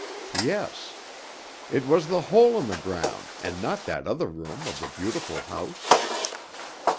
Yes. It was in the hole in the ground and not that other room of the Beautiful House.